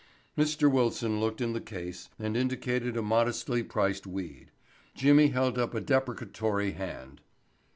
Mr. Wilson looked in the case and indicated a modestly priced weed. Jimmy held up a deprecatory hand.